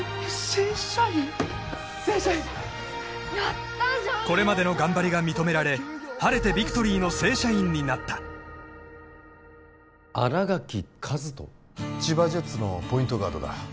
正社員やったじゃんこれまでの頑張りが認められ晴れてビクトリーの正社員になった新垣和人？千葉ジェッツのポイントガードだ